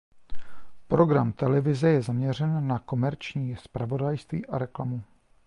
Program televize je zaměřen na komerční zpravodajství a reklamu.